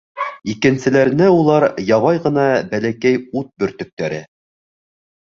Икенселәренә улар ябай ғына бәләкәй ут бөртөктәре.